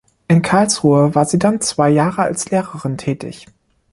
In Karlsruhe war sie dann zwei Jahre als Lehrerin tätig.